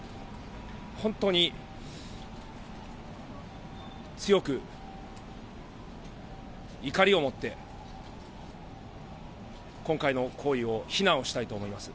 本当に強く怒りを持って、今回の行為を非難をしたいと思います。